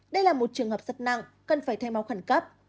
đây là một trường hợp rất nặng cần phải thay máu khẩn cấp